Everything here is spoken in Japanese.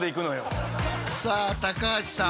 さあ橋さん。